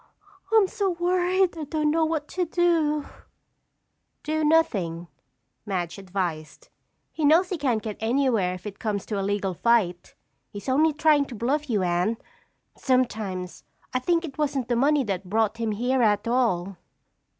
I'm so worried I don't know what to do." "Do nothing," Madge advised. "He knows he can't get anywhere if it comes to a legal fight. He's only trying to bluff you, Anne. Sometimes, I think it wasn't the money that brought him here at all."